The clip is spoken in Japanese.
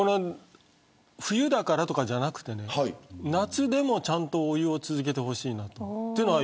冬だから、とかじゃなくて夏でもちゃんとお湯を続けてほしい。